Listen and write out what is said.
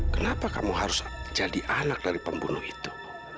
kenapa kamu harus jadi anak dari pembunuh itu